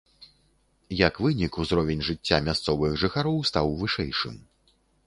Як вынік, узровень жыцця мясцовых жыхароў стаў вышэйшым.